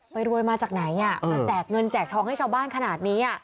รวยมาจากไหนมาแจกเงินแจกทองให้ชาวบ้านขนาดนี้